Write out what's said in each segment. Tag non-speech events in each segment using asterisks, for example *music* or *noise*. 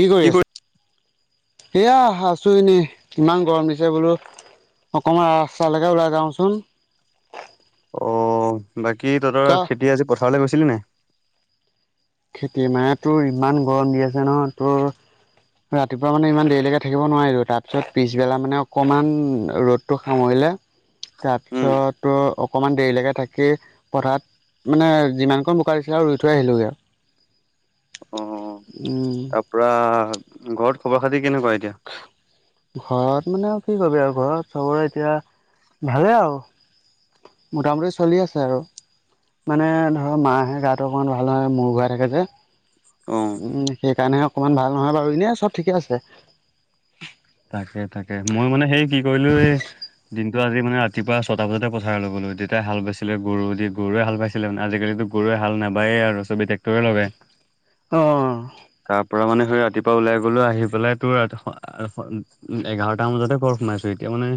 কি কৰি আছ এয়া ছো এনে ইমান গৰম দিছে বোলো অকণমান ৰাস্তালৈকে ওলাই যাওঁচোন অ বাকী তহতৰ ত খেতি আজি পথাৰলৈ গৈছিলি নে খেতি মানে তোৰ ইমান গৰম দি আছে নহয় তোৰ ৰাতিপুৱা মানে ইমান দেৰিলৈকে থাকিব নোৱাৰিলোঁ তাৰপিছত পিছবেলা মানে অকণমান ৰ'দটো সামৰিলে তাৰপিছত অকণমান দেৰিলৈকে থাকি পথাৰত মানে যিমানকৈ বোকা দিছিলে আৰু ৰুই থৈ আহিলোগৈ আৰু অ' উম তাৰ পৰা ঘৰত খবৰ খাতি কেনেকুৱা এতিয়া? ঘৰত মানে আৰু কি কবি আৰু ঘৰত চবৰে এতিয়া ভালেই আৰু মোটামুটি চলি আছে আৰু মানে ধৰ মাৰহে গাটো অকণমান ভাল নহয় মূৰ ঘূৰাই থাকে যে অ'। উম সেইকাৰণেহে অকমান ভাল নহয় বাৰু এনে চব ঠিকে আছে তাকে- তাকে মই মানে সেই কি কৰিলো এই দি নটো আজি মানে ৰাতিপুৱা ছটা বজাতে পথাৰলৈ গলো দেইতাই হাল বাইছিলে গৰু দি গৰুৱে হাল বাইছিলে মানে আজিকালিতো গৰুৱে হাল নাবায়েই আৰু ছবে ট্ৰেক্টৰে লগায় অ। তাৰ পৰা মানে সেই ৰাতিপুৱা ওলাই গলো আহি পেলাই তোৰ ৰা উ এঘাৰটামান বজাতে ঘৰ সোমাইছো এতিয়া মানে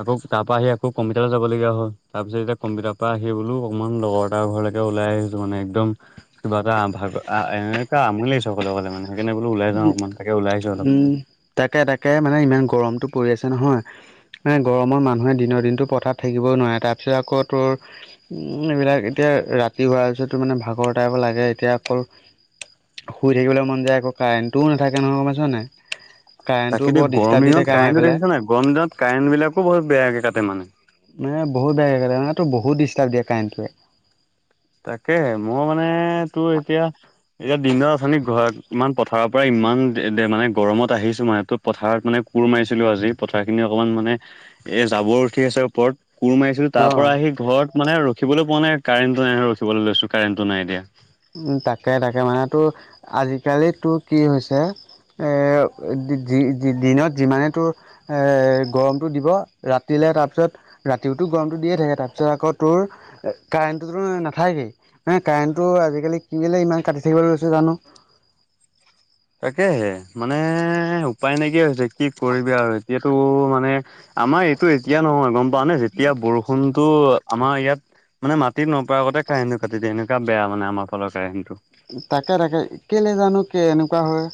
আকৌ তাৰ পৰা আহি আকৌ কম্পিউটাৰত যাবলগীয়া হ'ল তাৰ পিছ এতিয়া কম্পিউটাৰৰ পৰা আহি বোলো অকমান লগৰ এটাৰ ঘৰলৈকে ওলাই আহিছো মানে একদম কিবা এটা ভাগ এনেকা আমনি লাগিছে অকলে অকলে মানে সেইকাৰনে বোলো ওলাই যাওঁ উম, অকনমান তাকে ওলাই আহিছো অলপ উম। তাকে তাকে মানে ইমান গৰমটো পৰি আছে নহয় নাই গৰমৰ মানুহে দিনৰ দিনতো পথাৰ থাকিবই নোৱাৰে তাৰ পিছত আকৌ তোৰ উম এইবিলাক এতিয়া ৰাতি হোৱাৰ পিছত তোৰ মানে ভাগৰ টাইপ লাগে এতিয়া অকল শুই থাকিবলৈ মন যায় আকৌ কাৰেণ্টটো ও নাথাকে নহয়, গম পাইছ নে নাই? কাৰেণ্টটো তাকেতো বৰ গৰম ডিষ্টাৰ্ব দি দিনত থাকে আমাৰ কাৰেণ্টটো এইফালে দেখিছা নাই গৰম দিনত কাৰেণ্টবিলাকো বহুত বেয়াকে কাটে মানে মান বহুত বেয়াকে কাটে মানে টোৰ বহুত ডিষ্টাৰ্ব দিয়ে কাৰেণ্টটোৱে তাকে মোৰ মানে তোৰ এতিয়া এতিয়া দিনডাল আঁথনি ঘ ইমান পথাৰৰ পৰা ইমান মানে গৰমত আহিছো মানে টো পথাৰত মানে কোৰ মাৰিছিলো আজি পথাৰ খিনি অকনমান মানে এ জাবৰ উঠি আছে ওপৰত, কোৰ মাৰিছিল লো তাৰ অ'। পৰা আহি ঘৰত মানে ৰখিবলৈ পোৱা নাই কাৰেণ্টটো নাই নহয় ৰখিবলৈ লৈছো কাৰেণ্টটো নাই এতিয়া উম তাকে- তাকে মানে তোৰ আজিকালি তোৰ কি হৈছে এ দিনত যিমানেই তোৰ এ গৰমতটো দিব, ৰাতিলে তাৰপিছত ৰাতিওতো গৰমতটো দিয়ে থাকে তাৰপিছত আকৌ তোৰ কাৰেণ্টটোতো নাথাকেই মানে কাৰেণ্টটো আজিকালি কিলে ইমান কাটি থাকিবলৈ লৈছে জানো? তাকেহে মানে উপায় নাইকিয়া হৈছে কি কৰিবি আৰু এতিয়াতো মানে আমাৰ এইটো এতিয়া নহয় গম পাৱানে যেতিয়া বৰষুণ তোৰ আমাৰ ইয়াত মানে মাটিত নপৰা আগতে কাৰেণ্টটো কাটি দিয়ে এনেকুৱা বেয়া মানে আমাৰ ফালৰ কাৰেণ্টটো তাকে তাকে কেইলে জানো কে এনেকুৱা হয়?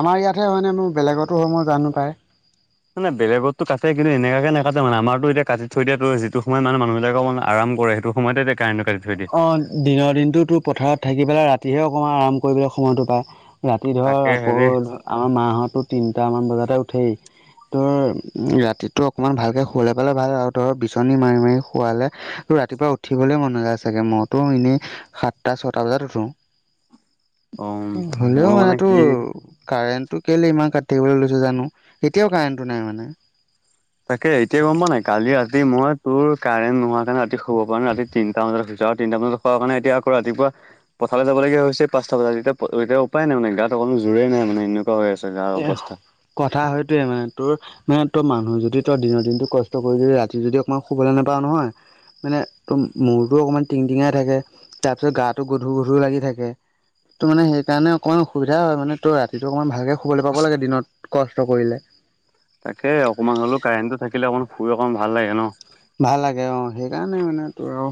আমাৰ ইয়াতহে হয়নে মোৰ বেলেগতো হয় জানো পায়! মানে বেলেগত টো কাটে কিন্তু এনেকাকে নেকাতে মানে আমাৰটো এতিয়া কাটি থৈ দিয়াটো যিটো সময়ত মানে মানুহ বিলাকে আৰাম কৰে সেইটো সময়তে কাৰেণ্টো কাটি থৈ দিয়ে অ দিনৰ দিনটো তোৰ পথাৰত থাকি পেলাই ৰাতিহে অকণমান আৰাম কৰিবলৈ সময়তটো পাই ৰাতি তাকে ধৰা আকৌ হেৰি আমাৰ মাহতো তিনটামান বজাতে উঠেই ধৰ ৰাতিটো অকমান ভালকে শুৱলে পালে ভাল আৰু ধৰ বিচনী মাৰি মাৰি শুৱালে তোৰ ৰাতিপুৱা উঠিবলে মন নযায় চাগে মইতো এনেই সাতটা ছয়টা বজাত উঠো। অম হলেও মোৰ মানে তোৰ কি কাৰেণ্ট টো কেইলে ইমান কাটি থাকিবলৈ লৈছো জানো এতিয়াও কাৰেণ্টটো নাই মানে তাকে এতিয়া গম পাৱ নে নাই? কালি ৰাতি মই তোৰ কাৰেণ্ট নোহোৱাৰ কাৰণে ৰাতি শুব পৰা নাই ৰাতি তিনিটা বজাত শুইছো আৰু তিনিটা বজাত শুৱা কাৰণে এতিয়া আকৌ ৰাতিপুৱা পথাৰলে যাবলগীয়া হৈছে পাঁচটা বজাত, এতিয়া-এতিয়া উপায় নাই মানে গাটো অকণো জোৰেই নাই মানে এনেই কোৱা হৈ আছে গাৰ এ অৱস্থা। কথা সেইটোৱে মানে তোৰ মানে তই মানুহে যদি তই দিনৰ দিনতটো কষ্ট কৰি যদি ৰাতি যদি অকমান শুবলৈ নাপাও নহয় মানে ত মূৰটো অকণমান টিং টিঙাই থাকে, তাৰপিছত গাটো গধুৰ গধুৰ লাগি থাকে। ত মানে সেইকাৰণে অকণমান অসুবিধা হয় মানে তোৰ ৰাতিটো অকণমান ভালে শুবলৈ পাব লাগে দিনত কষ্ট কৰিলে। তাকে অকণমান হলো কাৰেণ্টটো থাকিলে অকমান শুই অকমান ভাল লাগে ন। ভাল লাগে অ সেইকাৰণে মানে তোৰ আৰু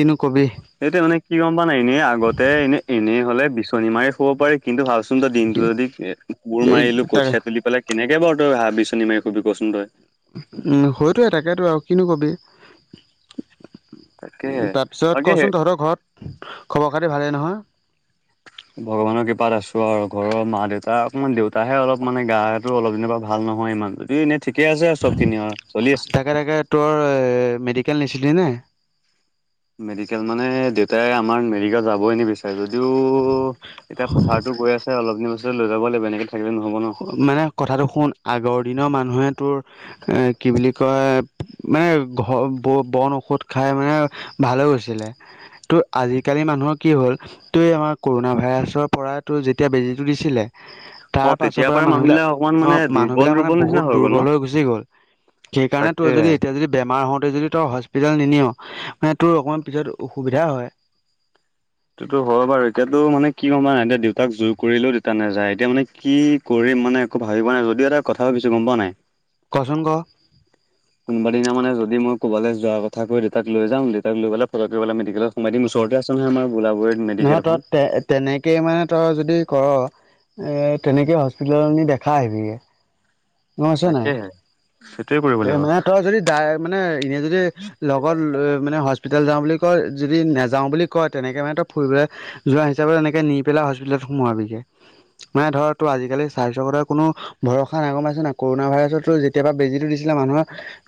কিনো কবি। এইটো মানে কি গম পাও নাই এনেই আগতে এনেই এনেই হলে বিচনী মাৰি শুৱ পাৰি কিন্তু ভাল কিন্তু তই দিনটো কি যদি এ কোৰ মাৰিলো তাকে কঠিয়া তুলি পেলাই কেনেকে বাৰু তই হা বিচনী মাৰি শুবি কচোন তই? উম হয়তোৱে তাকেতো আৰু কিনো কবি। তাকেহে তাৰপিছত বাকী সেই কচোন তহঁতৰ ঘৰত খবৰ খাতি ভালেই নহয়? ভগৱানৰ কৃপাত আছো আৰু ঘৰৰ মা দেউতা অকণমান দেউতাহে অলপ মানে গাটো অলপ দিনৰ পৰা ভাল নহয় ইমান। দুই এনে ঠিকে আছে আৰু চবখিনি অ চলি আছে। তাকে তাকে তোৰ মেডিকেল নিছিলি নে মেডিকেল মানে দেউতাই আমাৰ মেডিকেল যাবই নিবিচ- যদিও এতিয়া পথাৰতো গৈ আছে অলপ দিন পাছত লৈ যাব লাগিব এনেকে থাকিলে নহ'ব ন। মানে কথাটো শুন আগৰ দিনৰ মানুহে তোৰ এ কি বুলি কয় মানে ঘ ব বন ঔষধ খাই মানে ভালে গৈছিলে ত আজিকালি মানুহৰ কি হ'ল তই আমাৰ কৰোনা ভাইৰাছৰ পৰাতো যেতিয়া বেজীটো দিছিলে অ তাৰ পাছৰ তেতিয়াৰ পৰা মানুহ বিলাক অকমান মানুহবিলাক অ মানে দুৰ্বল মানুহবিলাক মানে দুৰ্বল নিচিনা বহুত গ'ল ন দুৰ্বল হৈ গুচি গ'ল। সেইকাৰণে তই তাকে যদি এতিয়া যদি বেমাৰ হওঁতে যদি ত হস্পিটেল নি নিও মানে তোৰ অকণমান পিছত অসুবিধা হয়। তোটো হয় বাৰু এতিয়াতো মানে কি গম পা নাই এতিয়া দেউতাক জোৰ কৰিলেও দেউতা নাযায় এতিয়া মানে কি কৰিম মানে একো ভাবি পোৱা নাই যদিও এটা কথা ভাবিছো গম পোৱা নাই? কচোন ক? কোনোবা দিনা মানে যদি মই কবালে যোৱাৰ কথা কৈ দেউতাক লৈ যাম দেউতাক লৈ পেলাই ফ মেডিকেলত সোমাই দিম। ওচ- চৰতে আছ নহ গুলাবৰিট মেডিকেল এখন। তেনেকে মানে তই যদি কৰ তেনেকৈ হস্পিটেল নি দেখাই আহিবিগে। গ আছে নাই, তাকেহে সেইটোৱে কৰিব লাগিব তেনে তই যদি দাই মানে এনে যদি লগত লৈ মানে হস্পিতেল যাওঁ বুলি কয় যদি নাযাওঁ বুলি কয় তেনেকে মানে তই ফুৰিবলে যোৱা হিচাপে তেনেকে নি পেলাই হস্পিটেলত সোমোৱাবিগে। মানে ধৰ তো আজিকালি স্বাস্থ্যৰ কথা কোনো ভৰসা নাই গম পাইছ- ছিনা কৰোনা ভাইৰাছতোৰ যেতিয়াবা বেজীটো দিছিলে মানুহৰ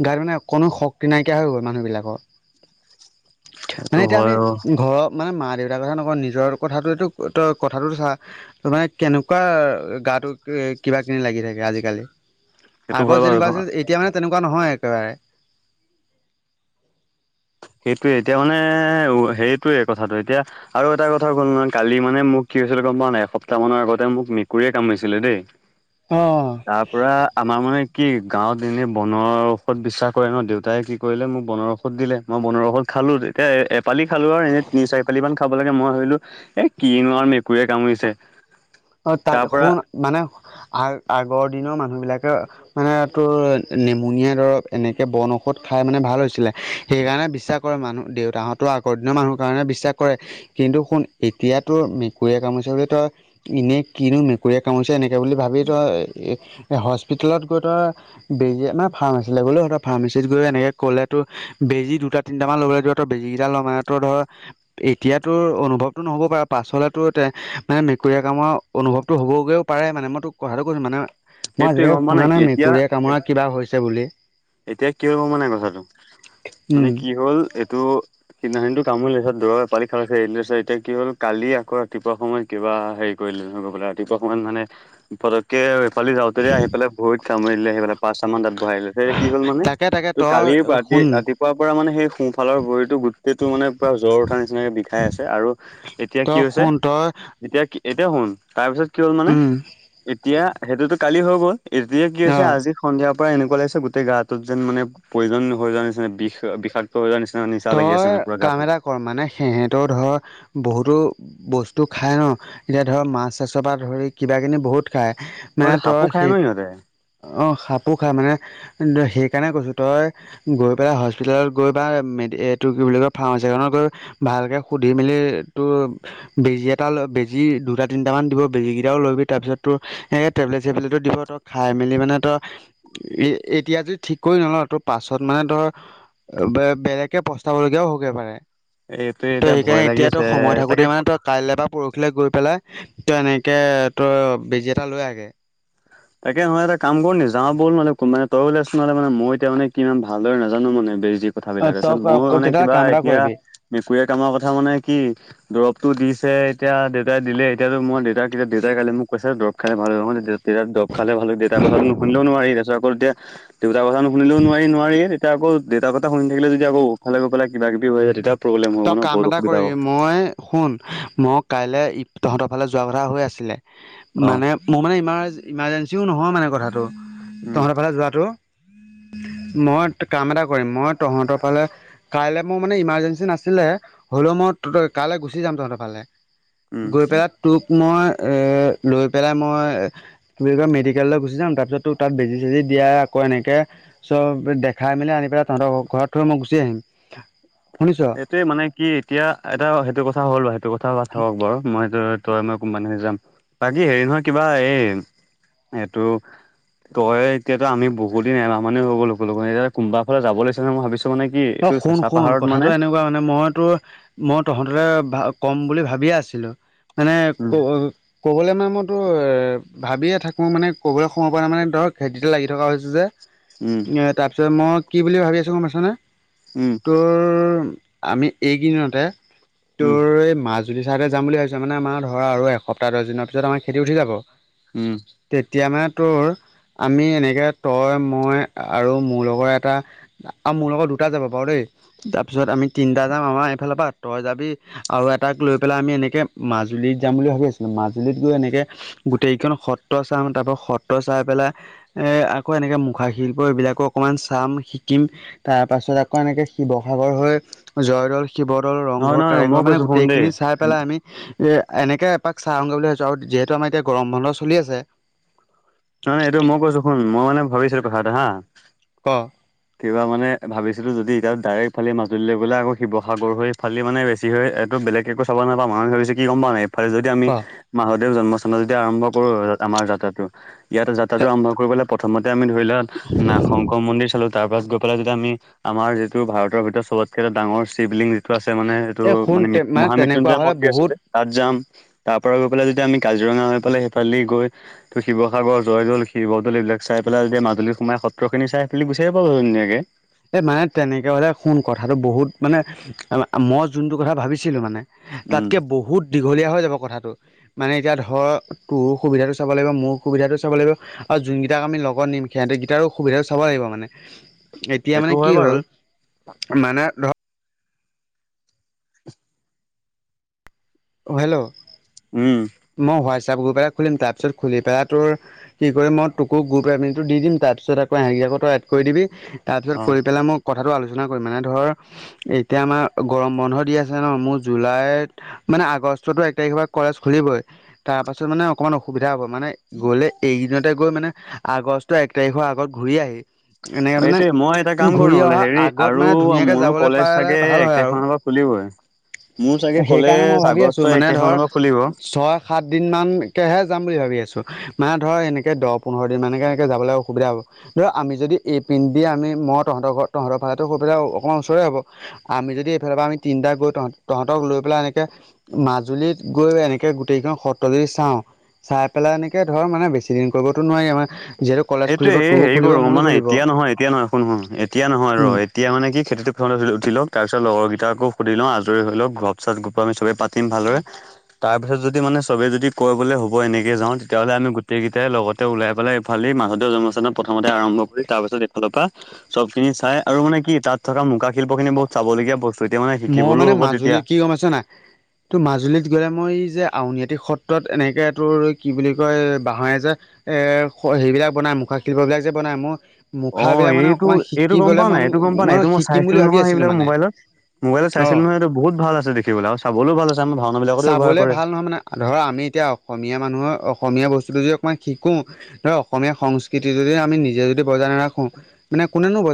গাত মানে অ কোনো শক্তি নাইকিয়া হৈ গ'ল মানুহবিলাকৰ। সেইটো মানে এতিয়া হয় আমি অ ঘৰ মানে মা-দেউতাৰ কথা নকওঁ নিজৰ কথাটো তই কথাটোতো চা। ত মানে কেনেকুৱা গাটো কি কিবা কিনি লাগি থাকে আজিকালি। সেইটো আগত হয় বাৰু যেনেকুৱা আছিল এতিয়া মানে তেনেকুৱা নহয় একেবাৰে। সেইটোয়ে এতিয়া মানে উ সেইটোয়ে কথাটো এতিয়া। আৰু এটা কথা হ'ল নহয় কালি মানে মোক কি হৈছিলে গম পোৱা নাই এসপ্তাহ মানৰ আগতে মোক মেকুৰীয়ে কামৰিছিলে দেই। অ। তাৰ পৰা আমাৰ মানে কি গাঁৱত এনে বনৰ ঔষধ বিশ্বাস কৰে ন দেউতাই কি কৰিলে মোক বনৰ ঔষধ দিলে, মই বনৰ ঔষধ খালো তেতিয়া এপালি খালো আৰু এনেই তিনি চাৰি পালি মান খাব লাগে মই ভাবিলো এ কিনো আও মেকুৰীয়ে কামোৰিছে। অ তাক শুন মানে আ আগৰ দিনৰ মানুহবিলাকে মানে তোৰ নেমুনিয়া দৰৱ এনেকে বন ঔষধ খাই মানে ভাল হৈছিলে সেইকাৰণে বিশ্বাস কৰে মানুহ দেউতাহঁতৰ আগৰ দিনৰ মানুহৰ কাৰণে বিশ্বাস কৰে। কিন্তু শুন এতিয়া তোৰ মেকুৰীয়ে কামোৰিছে বুলি ত- এনেই কিনো মেকুৰীয়ে কামুৰিচে এনেকে বুলি ভাবি তই হস্পিতেলত গৈ তই বেজী মা ফাৰ্ম আছিলে গ'লো স- ফাৰ্মাচীত গৈ এনেকে ক'লেতো বেজি দুটা তিনিটামান ল'বলে দিব ত বেজী কেইটা ল মানে ত ধৰ এতিয়াতো অনুভৱতো নহ'ব পাৰে পাছলে তোৰ তে মানে মে- কুৰীয়ে কামুৰা অনুভৱটো হবগৈও পাৰে মানে মই তোক কথাটো কৈছো মানে মই সেইটোৱে আজিলৈকে গম পোৱা শুনা নাই এতিয়া মেকুুৰীয়ে কামোৰা কিবা হৈছে বুলি। এতিয়া কি হব মানে কথাটো মানে উম কি হ'ল এইটো সিদিনা কিন্তু কামুৰিলে ধৰ দূৰৰ পালি খালে তাৰপিছত এতিয়া কি হ'ল কালি আকৌ ৰাতিপুৱা সময় কিবা হেৰি কৰিলো ন গৈ পেলাই ৰাতিপুৱা অকমান মানে পতককে কালি যাওঁতে হে আহি পেলাই ভৰিত কামুৰি দিলে আহি পেলাই, পাঁচটা মান দাত বহাই দিলে তেতিয়া কি হল মানে তাকে তাকে ত কালিৰ পৰা তই ৰাতি শুন ৰাতিপুৱাৰ পৰা মানে সেই সোঁফালৰ ভৰিতো গোটেইটো মানে পুৰা জ্বৰ উঠাৰ নিচিনাকে বি বিষাই আছে আৰু এতিয়া কি হৈছে অহ এতিয়া এতিয়া শুন তাৰপিছত কি হ'ল মানে এতিয়া সেইটোতো কালি হৈ গ'ল এতিয়া কি অ হৈছে আজি সন্ধিয়াৰ পৰা এনেকুৱা লাগিছে গোটেই গাটোত যেন মানে পয়জন হৈ যোৱা নিচিনা বিষ -বিষাক ত হৈ যোৱা নিচিনা নিচা লাগি আছে মানে পুৰা গাটো। ক মানে সে সেহঁতৰ ধৰ বহুতো বস্তু খাই ন, এতিয়া ধৰ মাছ - চাছৰ পৰা ধৰি কিবা কিনি বহুত খায়। মানে সিহঁতে সাপো তই খাই সেই ন সিহঁতে অ সাপো খাই মানে এন্দ সেইকাৰণে কৈছো তই গৈ পেলাই হস্পিতালত গৈ বা মে এইটো কি বুলি কয় ফাৰ্মাচীখনত গৈ ভালকে সুধি মেলি তোৰ বেজি এটা লৈ বেজি দুটা - তিনিটামান দিব, বেজী কেইটাও লৈবি তাৰপিছত তোৰ এনেকে টেবলেট - চেবলেটো দিব ত খাই মেলি মানে তই, এ এতিয়া যদি ঠিক কৰি নলওঁ। ত পাছত মানে ধৰ বে বেলেগ প্ৰস্তাব লগীয়াও হকে পাৰে, এইটো ত' এতিয়া ভয় সেইকাৰণে লাগি এতিয়া তই আছে সময় থাকোতে তাকে মানে তই কাইলৈ বা পৰ খিলে গৈ পেলাই তই এনেকৈ তোৰ বেজী এটা লৈ আগে তাকে হয় এটা কাম কৰো নি যাও বল মানে মানে তই ওলাইছোন মানে মই এতিয়া মানে কিমান ভালদৰে নাজানো মানে বেজি অ কথাবিলাক তই আচল, মোৰ মানে তেতিয়াহ'লে কিবা কাম এটা এতিয়া কৰিবি মেকুৰীয়ে কামৰ কথা মানে কি দৰৱটো দিছে এতিয়া দেউতাই দিলে এতিয়াতো মই দেউতাক কেতিয়া দেউতাই কাইলে মোক কৈছে দৰৱ খাই ভাল মান তেতিয়া তেতিয়া দ খালে ভালে দেউতাৰ কথাটো নোশুনিলেই নোৱাৰি, তাৰপিছত আকৌ তেতিয়া দেউতাৰ কথা নো শুনিলে নোৱাৰি নোৱাৰি তেতিয়া আকৌ দেউতাৰ কথা শুনি থাকিলে যদি আকৌ ফালে গৈ পালে কিবা কিবি হৈ যায় তেতিয়া প্ৰব্লেম হব তই ন কাম বহুত এটা অসুবিধা হব। কৰিবি মই শুন, মই কাইলে তহঁতৰ ফালে যোৱা কথা হৈ আছিলে অ মানে মোৰ মানে ইমাৰ ইমাৰ্জেঞ্চিও নহয় মানে কথাটো, উম, তহঁতৰ ফালে যোৱাটো মই কাম এটা কৰিম মই তহঁতৰ ফালে, কাইলৈ মোৰ মানে ইমাৰ্জেঞ্চি নাছি ছিলে হ'লেও মই ত কাইলে গুচি যাম তহঁতৰ ফালে, উম। গৈ পেলাই। তোক মই এ, লৈ পেলাই মই। কি হব বুলি কয় মেডিকেললৈ গুচি যাম। তাৰ পিছতোক তাত বেজি চেজি দিয়া আকৌ এনেকে চব দেখাই মেলি আনি পেলাই, তহঁতৰ ঘৰত থৈ মই গুচি আহিম। শুনিছ এইটোৱে মানে কি, এতিয়া এটা সেইটো কথা হ'ল বাৰু সেইটো কথা বা থাকক বাৰু মই এইটো তই মই কোনবা দিনা যাম বাকী হেৰি নহয় কিবা এই এইটো তই এতিয়া ত আমি বহু দিন এমাহমানেও হৈ গল লগ এতিয়া কোনবা ফালে যাব লাগি নে মই ভাবিছো মানে কি অ এইটো শুন চেঁচা শুন, পাহাৰত কথাটো মানে এনেকুৱা মানে মই তোৰ মই তহঁতকে ক'ম বুলি ভাবিয়ে আছিলোঁ। মানে উম ক'বলে মানে মই তোৰ ভাবিয়ে থাকোঁ মানে ক'বলে সময়ৰ পোৱা নাই মানে ধৰক খেতিতে লাগি থকা হৈছে যে উম এ তাৰ পিছত মই কি বুলি ভাবি আছো গমা পাইছানে? উম তোৰ আমি এইকেইদিন উম তোৰ মাজু লি চাইডে যাম বুলি ভাবছো। মানে আমাৰ ধৰা আৰু এসপ্তাহ দহ দিনৰ পিছত আমাৰ খেতি উঠি যাব। উম। তেতিয়া মানে তোৰ, আমি এনেকৈ তই, মই আৰু মোৰ লগৰ এটা আৰু মোৰ লগত দুটা যাব পাৰ, দেই তাৰপিছত আমি তিনটা যাম। আমাৰ এইফালৰ পৰা তই যাবি আৰু এটাক লৈ পেলাই আমি এনেকে, মাজুলীত যাম বুলি ভাবি আছিলোঁ। মাজুলীত গৈ এনেকে গোটেইকেইখন সত্ৰ চাম তাৰ পৰা সত্ৰ চাই পেলাই এ আকৌ এনেকে মুখাশিল্প এইবিলাকো অকন মান চাম শিকিম তাৰ পাছত আকৌ এনেকে, শিৱসাগৰ হৈ জয়দৌল শিৱদৌল, নহয় ৰংঘৰ, নহয় মই কাৰেংঘৰ মানে কৈছো শুন দেই। গোটেইখিনি চাই নহয় পেলাই আমি এ, এনেকে এপাক চাই আহোগে বুলি ভাবিছো, আৰু যিহেতু আমাৰ এতিয়া গৰম বন্ধ চলি আছে। নহয়এইটো মই কৈছো শুম, মই মানে ভাবিছিলো কথা এটা হা ক' কিবা মানে ভাবিছিলো, যদি এতিয়াত ডাইৰেক্ট এইফালেদি মাজুলীলৈ গ'লে আকৌ শিৱসাগৰ হৈ সেইফালেদি মানে বেছি হয়, এইটো বেলেগ একো চাব নাপাম আমি ভাবিছোঁ কি গম পাৱনে? ফালে যদি ক আমি, মাধবদেৱ জন্মস্থানত যদি আৰম্ভ কৰো আমাৰ যাত্ৰাটো। ইয়াত যাত্ৰাটো আৰম্ভ কৰিবলে, প্ৰথমতে আমি ধৰি লোৱা নাগ শংকৰ মন্দিৰ চালো। তাৰ পাছত গৈ পেলাই যদি আমি, আমাৰ যিটো ভাৰতৰ ভিতৰত চবতকে এটা ডাঙৰ শিৱলিংগ। এইটো আছে মানে, এইটো এই শুন মানে মৃত্যু তেনেকুৱা মহামৃত্যুঞ্জয় হ'লে মন্দিৰ বহুত আছিলে। তাত যাম। তাৰ পৰা গৈ পেলাই যদি আমি কাজিৰঙা হৈ পেলাই সেইফালে গৈ ত শিৱসাগৰ। শিৱসাগৰ জয়দল, শিৱদ'ল এইবাক চাই পেলাই যদি মাজুলী সোমাই সত্ৰ খিনি চাই সেইফালেদি গুচি আহিব পাৰোঁ ধুনীয়াকে। এই মানে তেনেকৈ হ'লে, শুন কথাটো বহুত মানে মই যোনটো কথা ভাবিছিলোঁ, মানে উম তাতকে বহুত দীঘলীয়া হৈ যাব কথাটো। মানে এতিয়া ধৰ, তোৰো সুবিধাটো চাব লাগিব মোৰ সুবিধাটো চাব লাগিব। আৰু যোনকেইটাক আমি লগত নিম, সিহঁতকেইটাৰো সুবিধাটো চাব লাগিব মানে। এতিয়া সেইটো মানে হয় কি বাৰু হ'ল মানে ধৰ অ' হেল্ল'! উম। মই হোৱাটছএপ গ্ৰুপ এটা খুলিম তাৰপিছত খুলি পেলাই তোৰ। কি কৰিম মই তোকো গ্ৰুপ এডমিনৰটো দি দিম তাৰপিছত আকৌ হেৰি *inaudible* এড কৰি দিবি। তাৰপিছত, অ' কৰি পেলাই মই কথাটো আলোচনা কৰিম মানে ধৰ এতিয়া আমাৰ গৰম বন্ধ দি আছে ন, মোৰ জুলাইত মানে আগষ্টতো এক তাৰিখৰ পৰা কলেজ খুলিবই তাৰ পাছত মানে অকমান অসুবিধা হ'ব। মানে গ'লে এইকেইদিনতে গৈ মানে, আগষ্ট এক তাৰিখৰ আগত ঘূৰি আহি এনেকে অ' মানে এইটোয়ে মই এটা কাম কৰো ঘূৰি নহলে, অহা হেৰি আগত আৰু মানে ধুনীয়াকে মোৰো যাবলৈ কলেজ পালে চাগে ভাল এক হয় তাৰিখ আৰু মানৰ পৰা। খুলিবই। ‌মোৰ চাগে ক'লে সেইকাৰণে মই ভাবি আছো আগষ্ট মানে এক তাৰিখ ধৰ মানৰ পৰা খুলিব। ছয় সাত দিনমান একেৰাহে যাম বুলি ভাবি আছোঁ মানে ধৰ এনেকৈ দহ পোন্ধৰ দিনমানকৈ এনেকৈ যাবলৈ অসুবিধা হ'ব। ধৰ আমি যদি এই পিন্দি, ‌ আমি মই তহঁতৰ ঘৰত তহঁতৰ ফালে টো গৈ পেলাই অকণমান ওচৰে হ'ব। আমি যদি এইফালৰ পৰা আমি তিনিটা গৈ, তহ‌তক তহতক লৈ পেলাই এনেকে। মাজুলীত গৈ এনেকে গো গোটেইকেইখন সত্ৰ যদি চাওঁ চাই পেলাই এনেকে ধৰক মানে বেছি দিন কৰিবতো নোৱাৰি। যিহেতু কলেজ সেইটোৱে খুলিব এই তোৰো হেৰি খুলিব কৰো মোৰো মানে খুলিব এতিয়া নহয় এতিয়া নহয় শুন -শুন এতিয়া নহয় ৰ' উম, তেতিয়া মানে কি খেতিটো প্ৰথম উঠি লওক, তাৰপিছত লগৰকেইটাকো সুধি লওঁ আজৰি হৈ লও ঘৰৰ পিছত আমি ছবেই পাতি। পাতিম ভালদৰে। তাৰ পিছত যদি মানে চবে যদি কৈ বোলে হ'ব এনেকে যাওঁ তেতিয়াহ'লে আমি গোটেই কেইটাই লগতে ওলাই পেলাই এইফালেই মা মাধৱ দেৱ জন্মস্থানত প্ৰথমতে আৰম্ভ কৰি তাৰ পিছত এইফালৰ পৰা চবখিনি চাই আৰু মানে কি তাত থকা মুগা খিনি। শিল্প খিনি বহুত চাবলগীয়া বস্তু এতিয়া মানে। মই শিকিবলৈও মানে হ'ব তেতিয়া। মাজুলীত কি গম পাইছ নাই। তোৰ মাজুলীত গ'লে মই যে আউনীআটী সত্ৰত এনেকৈ তোৰ কি বুলি কয় বাঁহৰে যে এ সেইবিলাক বনাই, মুখা শিল্প বিলাক যে বনাই মই অ' এইটো এইটো গম পাও নাই এইটো গম পাও নাই, এইটো মই শিকিম বুলি চাইছিলো ভাবি নহয় আছিলো সেইবিলাক মানে মোবাইলত। মোবাইলত অ চাইছিলো নহয় এই বহুত ভাল আছে দেখিবলৈ আৰু চাবলৈও ভাল আমাৰ ভাও চাবলে ভাল নহয়, মানে ধৰ আমি এতিয়া অসমীয়া মানুহৰ অসমীয়া বস্তুটো যদি অকমান শিকো। ধৰ অসমীয়া সংস্কৃতি যদি আমি নিজে যদি বজাই নাৰাখো মানে কোনেনো বজাই